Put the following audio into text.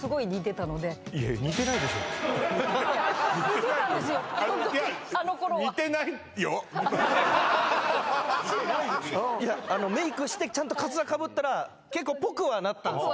似てないとあのころはいやメイクしてちゃんとカツラかぶったら結構ぽくはなったんですよ